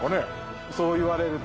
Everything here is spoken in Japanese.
そう言われると。